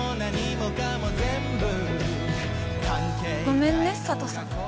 ごめんね佐都さん。